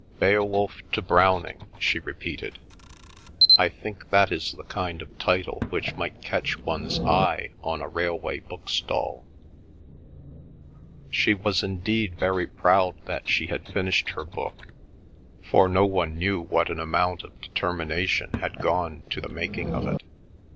Beowulf to Browning," she repeated, "I think that is the kind of title which might catch one's eye on a railway book stall." She was indeed very proud that she had finished her book, for no one knew what an amount of determination had gone to the making of it.